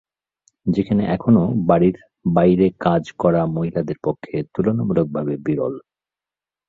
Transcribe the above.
যেখানে এখনও বাড়ির বাইরে কাজ করা মহিলাদের পক্ষে তুলনামূলকভাবে বিরল।